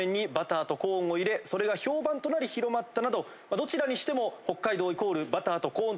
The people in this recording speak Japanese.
どちらにしても。